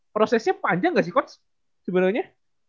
prosesnya panjang gak sih coach sebenarnya